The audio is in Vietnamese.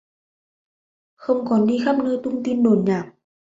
Không còn đi khắp nơi tung tin đồn nhảm